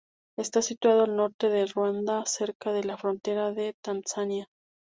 Está situado al norte de Ruanda, cerca de la frontera con Tanzania.